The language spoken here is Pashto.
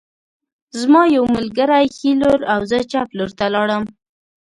زما یو ملګری ښي لور او زه چپ لور ته لاړم